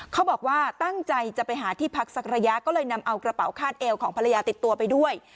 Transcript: เขาบอกว่าตั้งใจจะไปหาที่พักสักระยะก็เลยนำเอากระเป๋าคาดเอวของภรรยาติดตัวไปด้วย